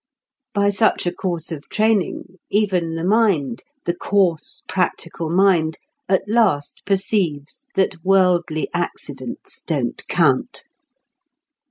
By such a course of training, even the mind, the coarse, practical mind, at last perceives that worldly accidents don't count.